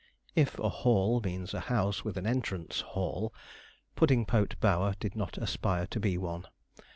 If a 'hall' means a house with an entrance 'hall,' Puddingpote Bower did not aspire to be one.